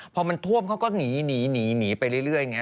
พอมันท่วมเขาก็หนีไปเรื่อยไง